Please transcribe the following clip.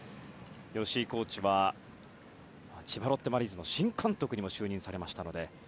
吉井コーチは千葉ロッテマリーンズの新監督にも就任されましたので。